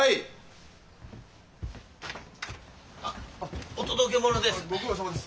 あっお届け物です。